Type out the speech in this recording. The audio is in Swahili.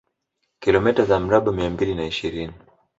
Kilomita za mraba mia mbili na ishirini